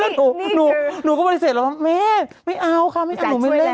อุ้ยนี่เจอหนูก็พิเศษแล้วแม่ไม่เอาค่ะหนูไม่เล่นไม่เล่น